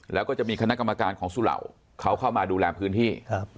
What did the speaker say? แล้วก็จะมีคณะกรรมการของสุเหล่าเขาเข้ามาดูแลพื้นที่